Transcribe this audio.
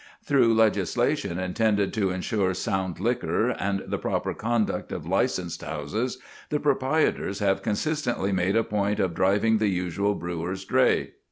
Through legislation intended to ensure sound liquor and the proper conduct of licensed houses the proprietors have consistently made a point of driving the usual brewer's dray.